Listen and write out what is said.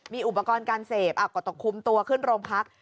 มีอุปกรณ์การเสพก็ต้องคุมตัวขึ้นโรงพัก